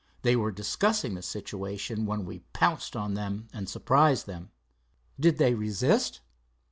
They were discussing the situation, when we pounced on them and surprised them." "Did they resist?"